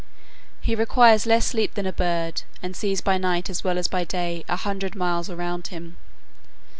He requires less sleep than a bird, and sees by night as well as by day a hundred miles around him.